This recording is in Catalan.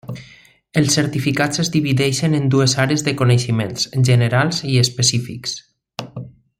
Els certificats es divideixen en dues àrees de coneixements: generals i específics.